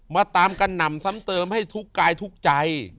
มาตามกระหน่ำซ้ำเติมให้ทุกกายทุกใจ